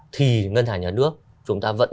thì ngân hải nhà nước chúng ta vẫn